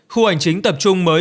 khu ảnh chính tập trung mới